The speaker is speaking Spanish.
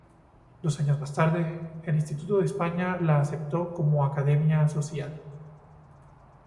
Dos años más tarde, el Instituto de España la aceptó como Academia Asociada.